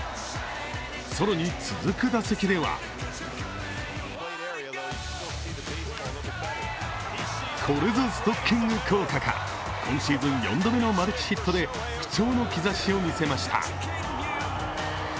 更に続く打席ではこれぞストッキング効果か、今シーズン４度目のマルチヒットで復調の兆しを見せました。